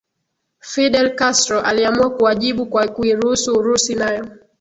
Fidel Castro aliamua kuwajibu kwa kuiruhusu Urusi nayo